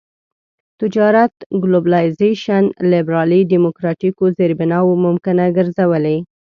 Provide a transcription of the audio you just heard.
تجارت ګلوبلایزېشن لېبرالي ډيموکراټيکو زېربناوو ممکنه ګرځولي.